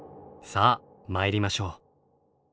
さあ参りましょう。